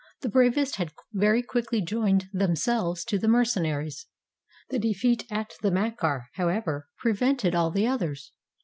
The bravest had very quickly joined themselves to the mercenaries. The defeat at the Macar, however, prevented all the others.